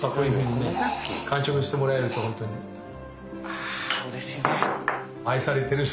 あうれしいね。